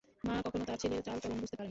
মা কখনো তার ছেলের চাল- চলন ভুলতে পারেনা।